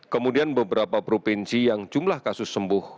kemudian beberapa provinsi yang jumlah kasus sembuh